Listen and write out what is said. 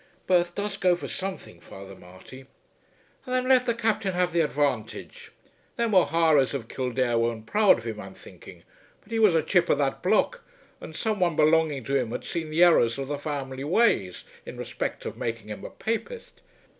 "Birth does go for something, Father Marty." "Thin let the Captain have the advantage. Them O'Haras of Kildare weren't proud of him I'm thinking, but he was a chip of that block; and some one belonging to him had seen the errors of the family ways, in respect of making him a Papist.